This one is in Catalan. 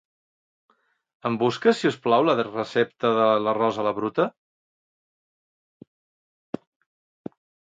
Em busques si us plau la recepta de l'arròs a la bruta?